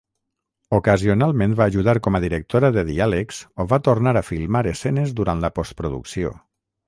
Ocasionalment va ajudar com a directora de diàlegs o va tornar a filmar escenes durant la post-producció.